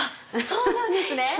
そうなんです。